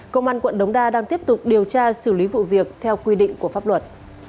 công an quận đống đa đang tiếp tục điều tra xử lý vụ việc theo quy định của pháp luật